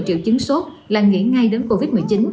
triệu chứng sốt là nghĩ ngay đến covid một mươi chín